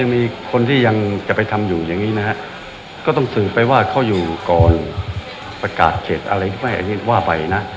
มีคนที่ยังจะไปทำอยู่หรือเขาอยู่ก่อนประกาศเก็บอะไร